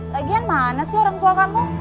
lagian mana sih orang tua kamu